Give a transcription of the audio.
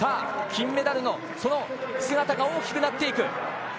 金メダルの、その姿が大きくなっていく。